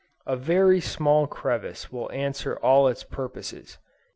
A very small crevice will answer all its purposes.